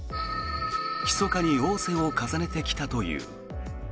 ひそかに逢瀬を重ねてきたという。